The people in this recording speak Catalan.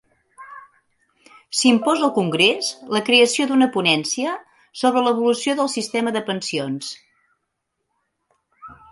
S'imposa al congrés la creació d'una ponència sobre l'evolució del sistema de pensions.